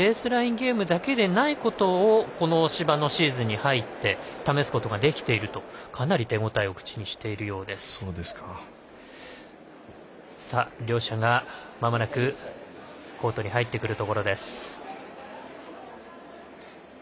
ゲームだけではないことをこの芝のシーズンに入って試すことができているというかなり手応えを口にしているようです。両者がまもなくコートに入ってきます。